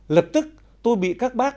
lập tức tôi bị các bác